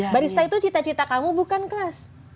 barista itu cita cita kamu bukan kelas